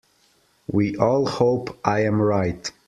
We all hope I am right.